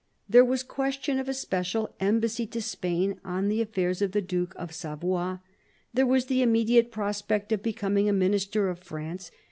There was question of a special embassy to Spain on the affairs of the Duke of Savoy; there was the immediate prospect of becoming a Minister of France.